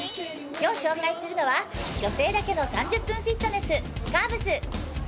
今日紹介するのは女性だけの３０分フィットネス「カーブス」。